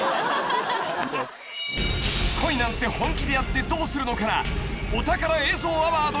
［『恋なんて、本気でやってどうするの？』から］